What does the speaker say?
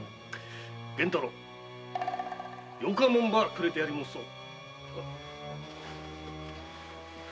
玄太郎よかもんばくれてやり申そう。